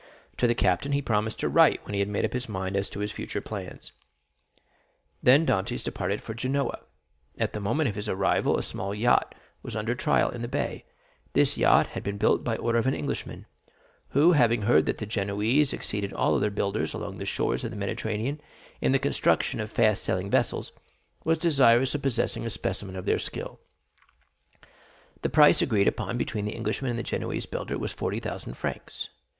To the captain he promised to write when he had made up his mind as to his future plans. Then Dantès departed for Genoa. At the moment of his arrival a small yacht was under trial in the bay; this yacht had been built by order of an Englishman, who, having heard that the Genoese excelled all other builders along the shores of the Mediterranean in the construction of fast sailing vessels, was desirous of possessing a specimen of their skill; the price agreed upon between the Englishman and the Genoese builder was forty thousand francs.